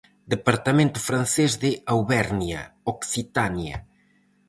Departamento francés de Auvernia, Occitania.